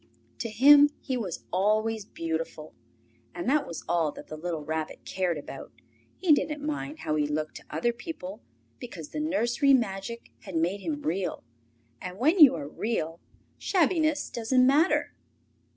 To him he was always beautiful, and that was all that the little Rabbit cared about. He didn't mind how he looked to other people, because the nursery magic had made him Real, and when you are Real shabbiness doesn't matter.